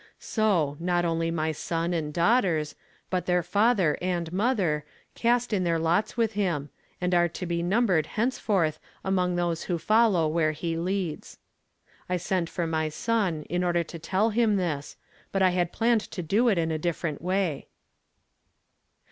So, not only my son and daugliters, but their father and mother, cast in their lots with him, and are to be numbered henceforth among those who follow where he leads. I sent for my son in order to tell him this, but I had planned to do it in a different way."